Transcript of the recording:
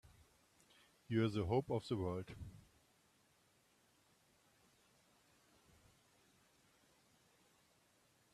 You're the hope of the world!